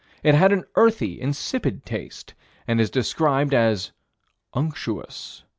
It had an earthy, insipid taste, and is described as "unctuous."